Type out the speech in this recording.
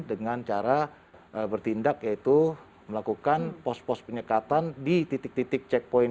dengan cara bertindak yaitu melakukan pos pos penyekatan di titik titik checkpoint